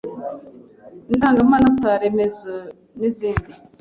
indangamanota remezo n’izindi